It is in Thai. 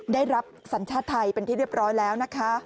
ได้รับสัญชาติไทยเป็นที่เรียบร้อยแล้วนะคะ